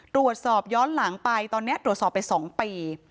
ตรวจสอบย้อนหลังไปตอนนี้ตรวจสอบไปสองปี